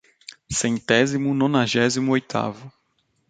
Centésimo nonagésimo oitavo